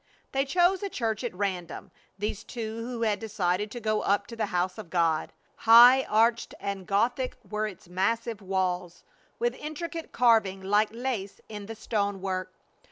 They chose a church at random, these two who had decided to go up to the house of God. High arched and Gothic were its massive walls, with intricate carving like lace in the stonework.